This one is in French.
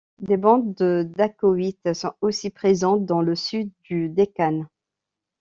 Des bandes de dacoïts sont aussi présentes dans le sud du Dekkan.